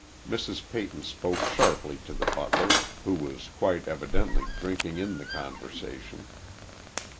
Mrs. Peyton spoke sharply to the butler, who was quite evidently drinking in the conversation.